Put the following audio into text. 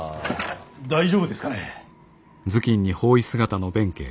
大丈夫ですかね。